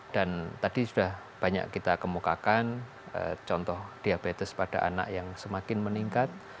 dan tadi sudah banyak kita kemukakan contoh diabetes pada anak yang semakin meningkat